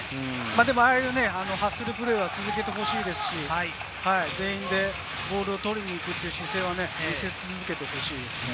でもああいうハッスルプレーは続けてほしいですし、全員でボールを取りに行く姿勢は見せ続けてほしいですね。